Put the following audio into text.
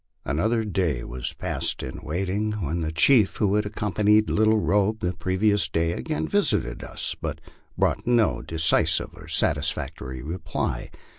An other day was passed in waiting, when the chief who had accompanied Little Kobe the previous day again visited us, but brought no decisive or satisfactory reply.